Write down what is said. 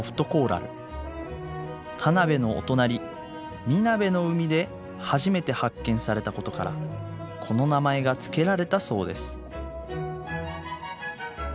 田辺のお隣南部の海で初めて発見されたことからこの名前が付けられたそうです。